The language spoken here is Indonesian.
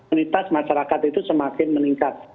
imunitas masyarakat itu semakin meningkat